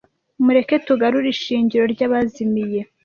mureke tugarure ishingiro ryabazimiye